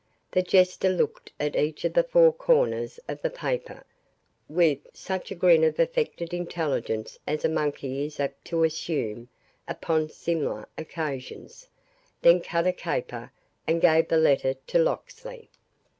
The Jester looked at each of the four corners of the paper with such a grin of affected intelligence as a monkey is apt to assume upon similar occasions, then cut a caper, and gave the letter to Locksley.